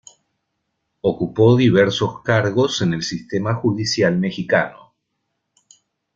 Ocupó diversos cargos en el sistema judicial mexicano.